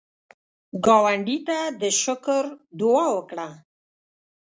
ګاونډي ته د شکر دعا وکړه